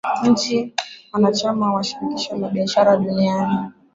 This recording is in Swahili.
Nchi wanachama wa shirikisho la biashara duniani